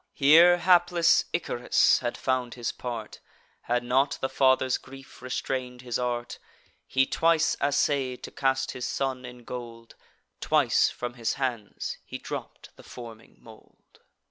Here hapless Icarus had found his part, Had not the father's grief restrain'd his art. He twice assay'd to cast his son in gold; Twice from his hands he dropp'd the forming mould.